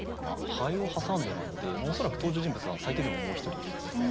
「蝿を挟んで」なので恐らく登場人物は最低でももう一人いる。